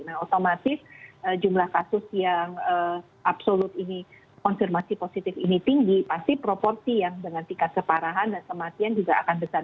nah otomatis jumlah kasus yang absolut ini konfirmasi positif ini tinggi pasti proporsi yang dengan tingkat keparahan dan kematian juga akan besar